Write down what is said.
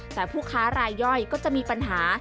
แต่ผู้ค้ารายย่อยก็จะมีปัญหา